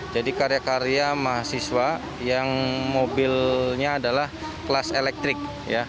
jadi karya karya mahasiswa yang mobilnya adalah kelas elektrik